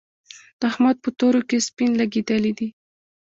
د احمد په تورو کې سپين لګېدلي دي.